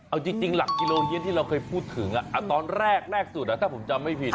เอาจริงหลักกิโลเฮียนที่เราเคยพูดถึงตอนแรกแรกสุดถ้าผมจำไม่ผิด